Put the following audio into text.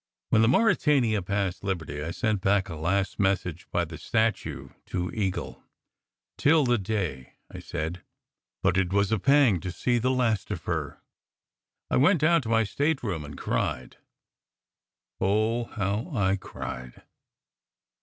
When the Mauretania passed "Liberty" I sent back a last message by the statue to Eagle. "Till the day!" I said. But it was a pang to see the last of her. I went down to my stateroom and cried oh ! how I cried